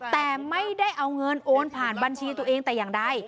แต่ไม่ได้เอาเงินโอนผ่านบัญชีตัวเองแต่อย่างใด